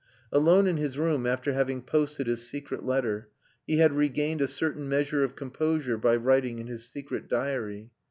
Alone in his room after having posted his secret letter, he had regained a certain measure of composure by writing in his secret diary.